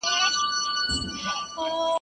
لا یې هم نېکمرغه بولي د کاڼه اولس وګړي ..